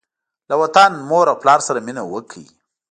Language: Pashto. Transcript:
له وطن، مور او پلار سره مینه وکړئ.